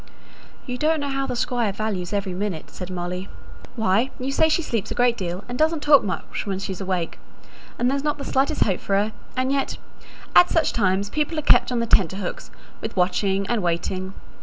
"You don't know how the Squire values every minute," said Molly. "Why, you say she sleeps a great deal, and doesn't talk much when she's awake, and there's not the slightest hope for her. And yet, at such times, people are kept on the tenter hooks with watching and waiting.